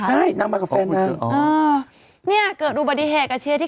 ใช่นั่งมากับแฟนนั่งอ๋อเนี้ยเกิดอันดุบฤทธิ์แฮก่อเชียร์ที่